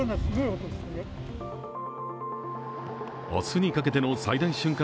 明日にかけての最大瞬間